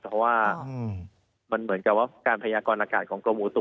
เพราะงานอย่างใจการพยากรณ์อากาศของกรมฮูตุ